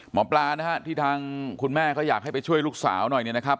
หมอปลาที่ทางคุณแม่ก็อยากให้ไปช่วยลูกสาวหน่อยนะครับ